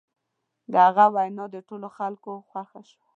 د هغه وینا د ټولو خلکو خوښه شوه.